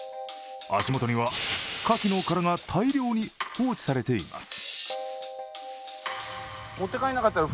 足元には、カキの殻が大量に放置されています。